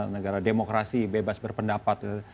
negara demokrasi bebas berpendapat